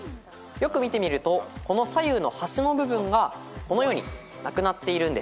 よく見てみると左右の端がこのようになくなっているんです。